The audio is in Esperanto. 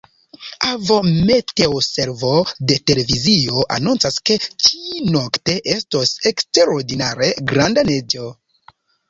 Avo, meteoservo de televizio anoncas, ke ĉi-nokte estos eksterordinare granda neĝo.